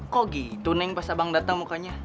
kok gitu neng pas abang datang mukanya